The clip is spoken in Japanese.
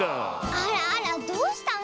あらあらどうしたの？